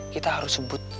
kita harus sebut